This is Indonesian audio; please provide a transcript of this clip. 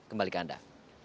kembali ke anda